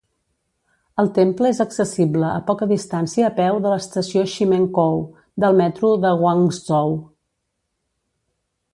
El temple és accessible a poca distància a peu de l'estació Ximenkou del metro de Guangzhou.